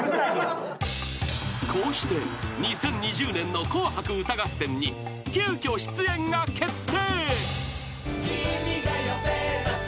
［こうして２０２０年の『紅白歌合戦』に急きょ出演が決定！］